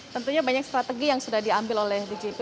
tentunya banyak strategi yang sudah diambil oleh djp